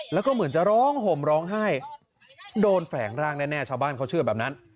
แล้วก็เหมือนจะร้องห่มร้องไห้โดนแฝงร่างแน่ชาวบ้านเขาเชื่อแบบนั้น